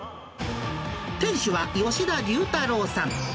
店主は吉田竜太郎さん。